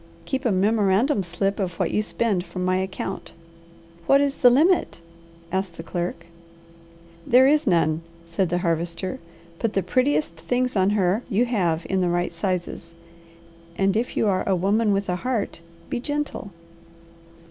Keep a memorandum slip of what you spend for my account." "What is the limit?" asked the clerk. "There is none," said the Harvester. "Put the prettiest things on her you have in the right sizes, and if you are a woman with a heart, be gentle!"